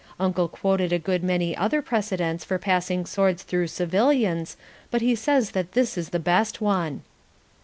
Uncle quoted a good many other precedents for passing swords through civilians, but he says that this is the best one.